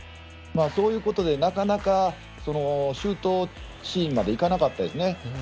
そういうことでなかなかシュートシーンまでいかなかったですね。